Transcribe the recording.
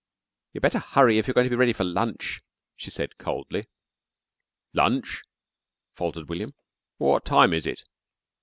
"You'd better hurry if you're going to be ready for lunch," she said coldly. "Lunch?" faltered William. "What time is it?"